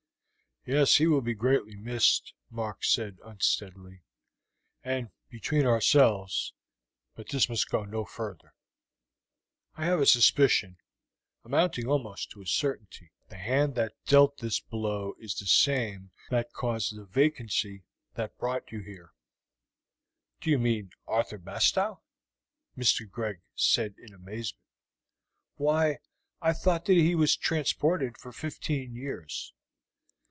"Yes, he will be greatly missed," Mark said unsteadily; "and, between ourselves but this must go no further I have a suspicion, amounting almost to a certainty, that the hand that dealt this blow is the same that caused the vacancy that brought you here." "Do you mean Arthur Bastow?" Mr. Greg said in amazement. "Why, I thought that he was transported for fifteen years."